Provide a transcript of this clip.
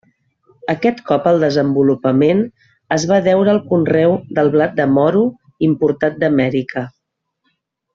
Aquest cop el desenvolupament es va deure al conreu del blat de moro, importat d'Amèrica.